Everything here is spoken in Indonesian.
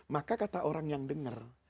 maka kata orang yang denger